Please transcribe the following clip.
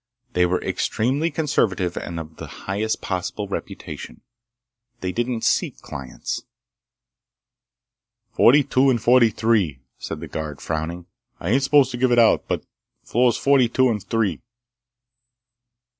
They were extremely conservative and of the highest possible reputation. They didn't seek clients— "Forty two and forty three," said the guard, frowning. "I ain't supposed to give it out, but—floors forty two and three."